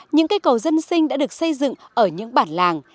nhân sinh đã được xây dựng ở những bản làng